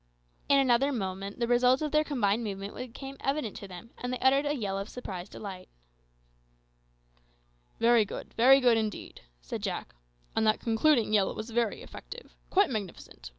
In another moment the result of their combined movement became evident to them, and they uttered a yell of delighted surprise. "Very good, very good indeed," said Jack; "and that concluding yell was very effective quite magnificent.